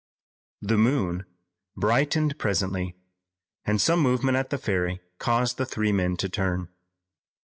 The moon brightened presently, and some movement at the ferry caused the three men to turn.